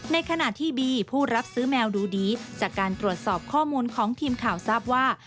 ในขณะที่บีผู้รับซื้อแมวดูดีจากการตรวจสอบข้อมูลของทีมข่าวทราบว่า